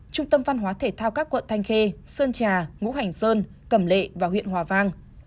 trung tâm văn hóa thể thao các quận thanh khê sơn trà ngũ hành sơn cẩm lệ và huyện hòa vang